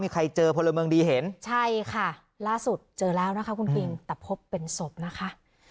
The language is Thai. มีใครเจอพลเมืองดีเห็นใช่ค่ะล่าสุดเจอแล้วนะคะคุณคิงแต่พบเป็นศพนะคะ